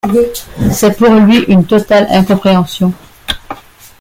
C'est pour lui, une totale incompréhension.